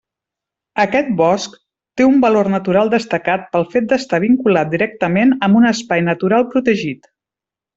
Aquest bosc té un valor natural destacat pel fet d'estar vinculat directament amb un espai natural protegit.